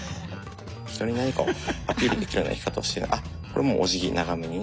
人に何かアピールできるような生き方をあっこれもうおじぎ長めにね。